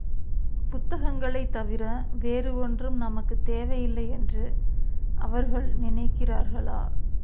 புத்தகங்களைத் தவிர வேறு ஒன்றும் நமக்குத் தேவை இல்லை என்று அவர்கள் நினைக்கிறார்களா?